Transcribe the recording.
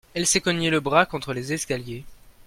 Elle s'est cognée le bras contre les escaliers.